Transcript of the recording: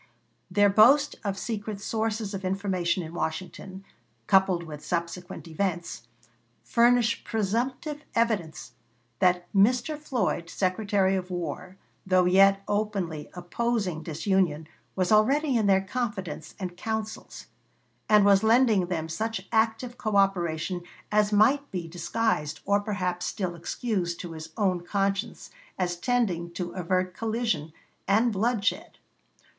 Their boast of secret sources of information in Washington, coupled with subsequent events, furnish presumptive evidence that Mr. Floyd, Secretary of War, though yet openly opposing disunion, was already in their confidence and councils, and was lending them such active coõperation as might be disguised or perhaps still excused to his own conscience as tending to avert collision and bloodshed.